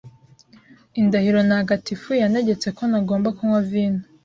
indahiro ntagatifu yantegetse ko ntagomba kunywa vino